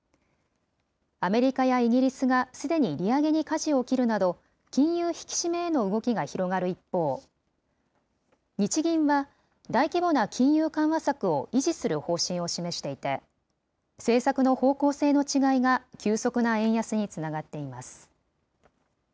アメリカやイギリスがすでに利上げにかじを切るなど、金融引き締めへの動きが広がる一方、日銀は大規模な金融緩和策を維持する方針を示していて、政策の方向性の違いが急速な円安につながっています。